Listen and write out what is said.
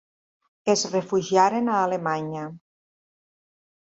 Es refugiaren a Alemanya.